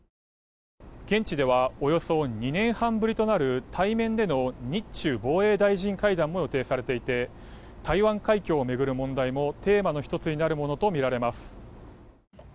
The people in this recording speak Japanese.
現地ではおよそ２年半ぶりとなる対面での日中防衛大臣会談も予定されていて台湾海峡を巡る問題もテーマの１つになるものとみられます。